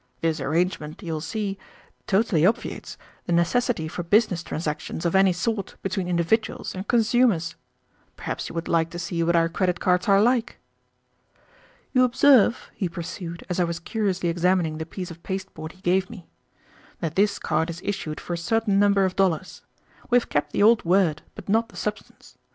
This arrangement, you will see, totally obviates the necessity for business transactions of any sort between individuals and consumers. Perhaps you would like to see what our credit cards are like. "You observe," he pursued as I was curiously examining the piece of pasteboard he gave me, "that this card is issued for a certain number of dollars. We have kept the old word, but not the substance.